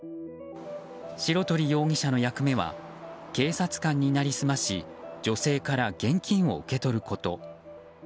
白鳥容疑者の役目は警察官になりすまし女性から現金を受け取ること。